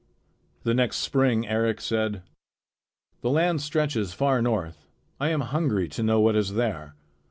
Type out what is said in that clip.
The next spring Eric said: "The land stretches far north. I am hungry to know what is there."